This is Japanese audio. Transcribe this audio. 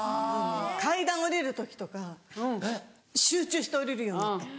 階段下りる時とか集中して下りるようになった。